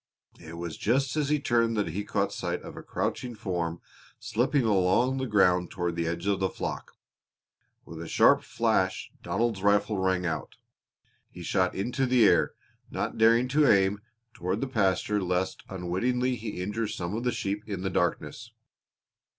It was just as he turned that he caught sight of a crouching form slipping along the ground toward the edge of the flock. With a sharp flash Donald's rifle rang out. He shot into the air, not daring to aim toward the pasture lest unwittingly he injure some of the sheep in the darkness.